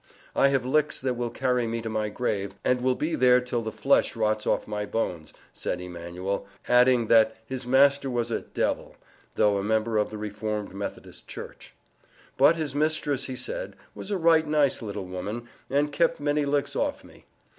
"I have licks that will carry me to my grave, and will be there till the flesh rots off my bones," said Emanuel, adding that his master was a "devil," though a member of the Reformed Methodist Church. But his mistress, he said, was a "right nice little woman, and kept many licks off me."